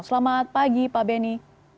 selamat pagi pak benny